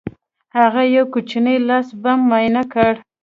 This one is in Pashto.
هغه یو کوچنی لاسي بم معاینه کړ